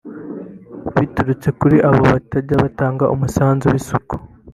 biturutse kuri abo batajya batanga umusanzu w’isuku